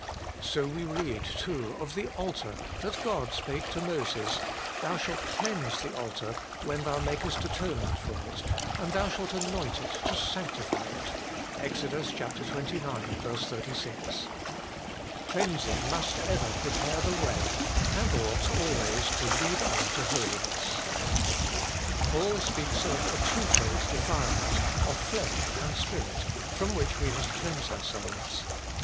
So we read too of the altar, that God spake to Moses :' Thou shalt cleanse the altar, when thou makest atonement for it, and thou shalt anoint it, to sanctify it' (Ex. xxix. 36). Cleansing HOLINESS AND CLEANSING. 211 must ever prepare the way, and ought always to lead on to holiness. Paul speaks of a twofold defilement, of flesh and spirit, from which we must cleanse ourselves.